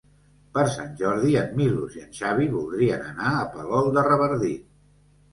Per Sant Jordi en Milos i en Xavi voldrien anar a Palol de Revardit.